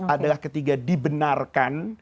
adalah ketika dibenarkan